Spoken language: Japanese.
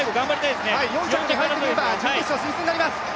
４着に入れば、準決勝進出になります。